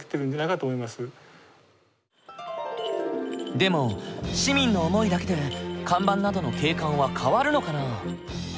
でも市民の思いだけで看板などの景観は変わるのかな？